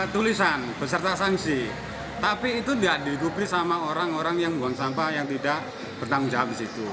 tulisan beserta sanksi tapi itu tidak dihidupi sama orang orang yang buang sampah yang tidak bertanggung jawab di situ